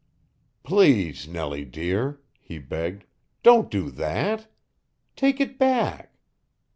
"Please, Nellie dear," he begged, "don't do that! Take it back.